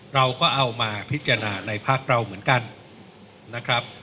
เราก็เอามาพิจารณาในภาคเราเหมือนกันนะครับ